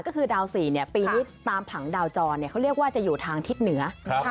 ก็คือดาว๔ปีนี้ตามผังดาวจรเขาเรียกว่าจะอยู่ทางทิศเหนือ